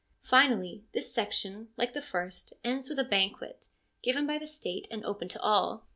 Finally, this section, like the first, ends with a banquet, given by the State, and open to all.